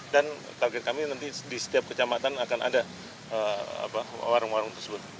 dan target kami nanti di setiap kecamatan akan ada warung warung tersebut